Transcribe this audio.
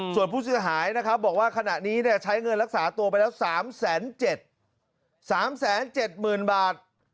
ส่วนผู้เสียหายนะครับบอกว่าขณะนี้ใช้เงินรักษาตัวไปแล้ว๓๗๐๐๐บาท